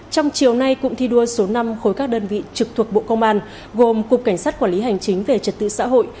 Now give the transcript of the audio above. trong chiều nay cụm thi đua số năm khối các đơn vị trực thuộc bộ công an gồm cục cảnh sát quản lý hành chính về trật tự xã hội